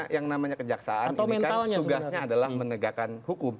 yang namanya kejaksaan ini kan tugasnya adalah menegakkan hukum